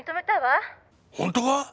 本当か！？